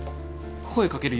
声かける